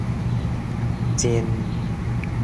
煎